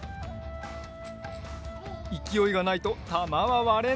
いきおいがないとたまはわれない！